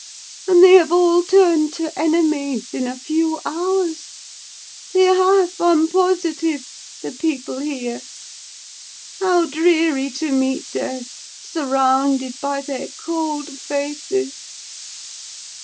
And they have all turned to enemies in a few hours. They have, I'm positive; the people here. How dreary to meet death, surrounded by their cold faces!